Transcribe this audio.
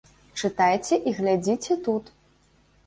Чытайце і глядзіце тут!